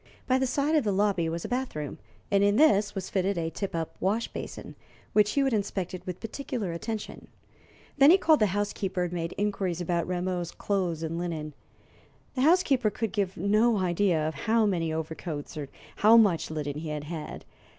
By the side of the lobby was a bath room, and in this was fitted a tip up wash basin, which Hewitt inspected with particular attention. Then he called the housekeeper, and made inquiries about Rameau's clothes and linen. The housekeeper could give no idea of how many overcoats or how much linen he had had.